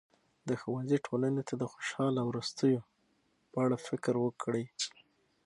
د ښوونځي ټولنې ته د خوشاله وروستیو په اړه فکر وکړي.